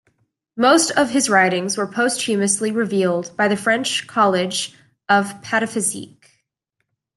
Most of his writings were posthumously revealed by the French College of 'Pataphysique.